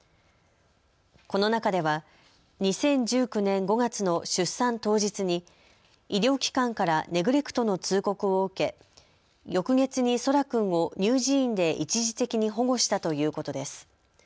この中では２０１９年５月の出産当日に医療機関からネグレクトの通告を受け翌月に空来君を乳児院で一時的に保護したということです。